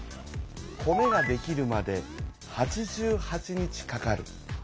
米ができるまで８８日かかる。